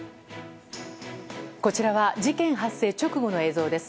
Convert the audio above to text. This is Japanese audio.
こちらは事件発生直後の映像です。